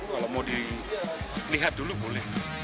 kalau mau dilihat dulu boleh